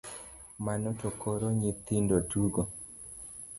Mano to koro nyithindo tugo?